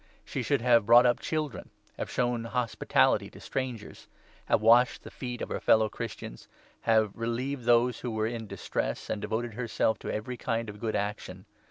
She should have 10 brought up children, have shown hospitality to strangers, have washed the feet of her fellow Christians, have relieved those who were in distress, and devoted herself to every kind of good action.